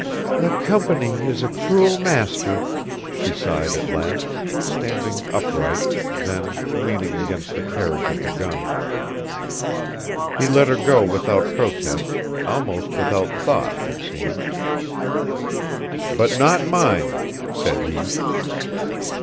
"The Company is a cruel master," she sighed at last, standing upright, then leaning against the carriage of the gun. He let her go without protest, almost without thought, it seemed. "But not mine," said he.